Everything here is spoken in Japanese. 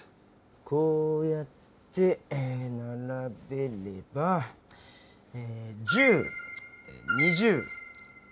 こうやってならべればえ１０２０３０と２こ。